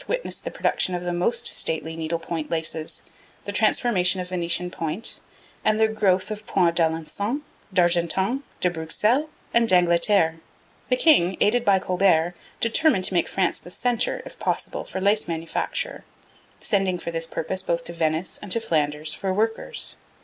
witnessed the production of the most stately needle point laces, the transformation of Venetian point, and the growth of Points d'Alencon, d'Argentan, de Bruxelles and d'Angleterre. The king, aided by Colbert, determined to make France the centre, if possible, for lace manufacture, sending for this purpose both to Venice and to Flanders for workers.